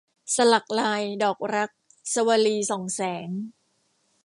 สลักลายดอกรัก - สวลี ส่องแสง